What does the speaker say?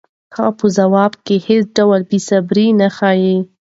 هغه په ځواب کې هېڅ ډول بېصبري نه ښيي.